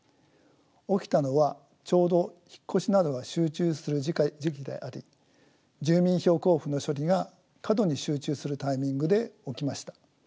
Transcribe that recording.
起きたのはちょうど引っ越しなどが集中する時期であり住民票交付の処理が過度に集中するタイミングで起きました。